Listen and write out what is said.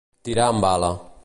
Tirar amb bala.